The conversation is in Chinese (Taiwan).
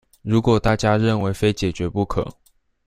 如果大家認為非解決不可